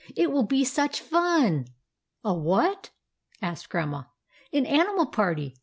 " It will be such fun !"" A what ?" asked Grandma. " An animal party.